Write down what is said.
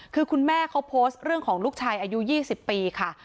คือคุณแม่เขาโพสต์เรื่องของลูกชายอายุ๒๐ปีค่ะ